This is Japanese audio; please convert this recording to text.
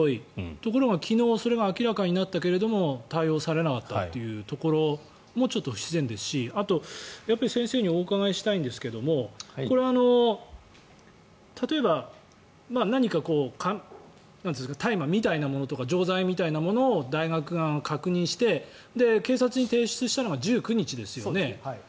ところが昨日それが明らかになったけれども対応されなかったというところもちょっと不自然ですしあと、先生にお伺いしたいんですがこれは例えば何か大麻みたいなものとか錠剤みたいなものを大学側が確認して警察に提出したのが１９日ですよね。